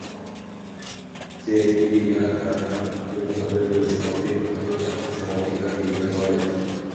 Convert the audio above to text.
যে ক্রিয়া দ্বারা বাক্যের ভাবের পরিসমাপ্তি ঘটে থাকে সমাপিকা ক্রিয়া বলে।